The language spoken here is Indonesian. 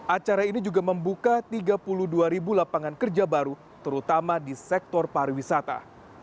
acara ini juga membuka tiga puluh dua ribu lapangan kerja baru terutama di sektor pariwisata